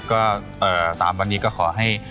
ก็๓วันนี้ก็ขอให้